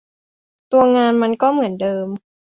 ตัวงานมันก็เหมือนเดิม